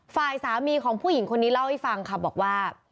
ฝ่ายสามีของผู้หญิงคนนี้เล่าให้ฟังค่ะบอกว่า